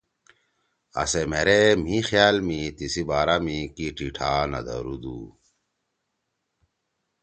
آ سےمھیرے مھی خیال می تیِسی بارا می کی ٹیٹھا نَہ دھرُودُو